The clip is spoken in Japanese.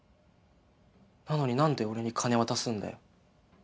なのになんで俺に金渡すんだよ？